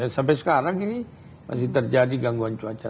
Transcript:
sampai sekarang ini masih terjadi gangguan cuaca